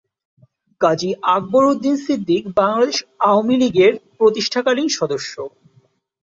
কাজী আকবর উদ্দিন সিদ্দিক বাংলাদেশ আওয়ামীলীগের প্রতিষ্ঠাকালীন সদস্য।